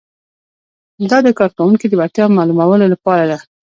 دا د کارکوونکي د وړتیا معلومولو لپاره ده.